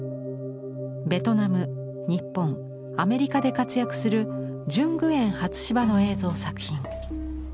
ベトナム日本アメリカで活躍するジュン・グエン＝ハツシバの映像作品。